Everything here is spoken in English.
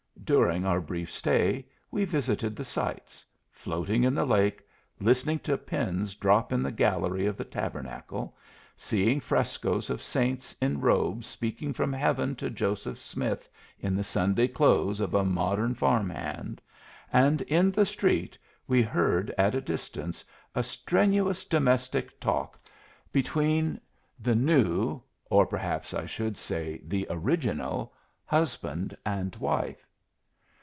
During our brief stay we visited the sights: floating in the lake, listening to pins drop in the gallery of the Tabernacle, seeing frescos of saints in robes speaking from heaven to Joseph Smith in the Sunday clothes of a modern farm hand, and in the street we heard at a distance a strenuous domestic talk between the new or perhaps I should say the original husband and wife.